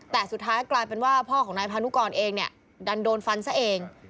แต่สุดท้ายกลายเป็นว่าพ่อของนายพานุกรเองเนี่ยดันโดนฟันซะเอง